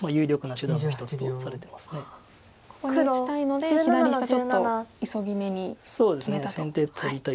ここに打ちたいので左下ちょっと急ぎめに決めたと。